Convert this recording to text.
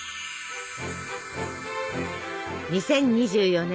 ２０２４年